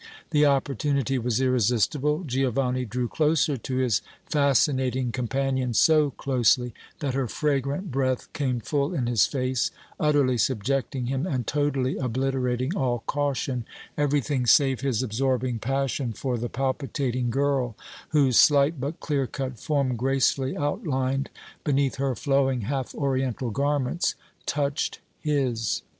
The opportunity was irresistible. Giovanni drew closer to his fascinating companion, so closely that her fragrant breath came full in his face, utterly subjecting him and totally obliterating all caution, everything save his absorbing passion for the palpitating girl whose slight, but clear cut form, gracefully outlined beneath her flowing, half oriental garments, touched his.